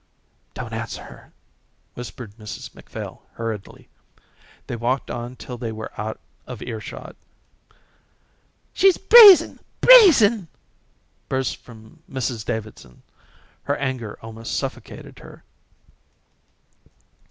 "Don't answer her," whispered Mrs Macphail hurriedly. They walked on till they were out of earshot. "She's brazen, brazen," burst from Mrs Davidson. Her anger almost suffocated her.